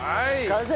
完成！